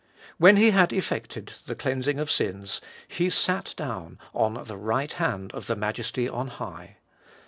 When He had effected the cleansing of sins, He sat down on the right hand of the Majesty on high.